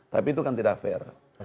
tapi itu kan tidak fair